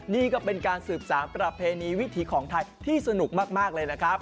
นี่ก็เป็นการสืบสารประเพณีวิถีของไทยที่สนุกมากเลยนะครับ